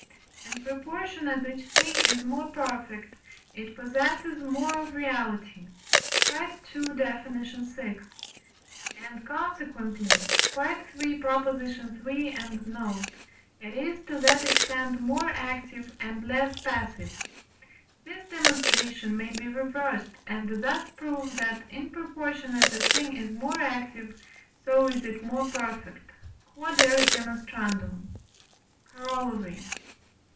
In proportion as each thing is more perfect, it possesses more of reality (II. Def. vi.), and, consequently (III. iii. and note), it is to that extent more active and less passive. This demonstration may be reversed, and thus prove that, in proportion as a thing is more active, so is it more perfect. Q.E.D. Corollary.